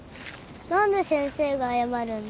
何で先生が謝るんだ？